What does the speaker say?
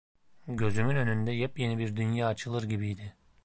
Gözümün önünde yepyeni bir dünya açılır gibiydi.